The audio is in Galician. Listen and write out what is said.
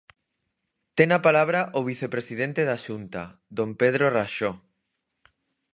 Ten a palabra o vicepresidente da Xunta, don Pedro Raxó.